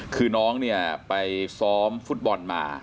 คือน้องเนี่ยไปซ้อมฟุตบอลมา